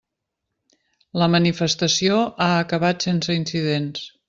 La manifestació ha acabat sense incidents.